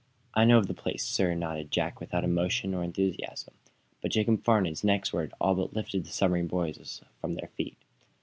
"I know of the place, sir," nodded Jack, without emotion or enthusiasm. But Jacob Farnum's next words all but lifted the submarine boys from their feet.